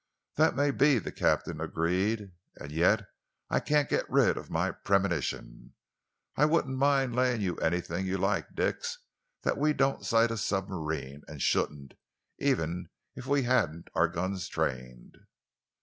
"That may be," the captain agreed, "and yet I can't get rid of my premonition. I wouldn't mind laying you anything you like, Dix, that we don't sight a submarine, and shouldn't, even if we hadn't our guns trained."